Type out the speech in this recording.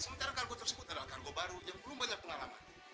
sementara kargo tersebut adalah kargo baru yang belum banyak pengalaman